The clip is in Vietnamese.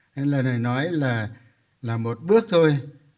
nên lần này nói là một bước thôi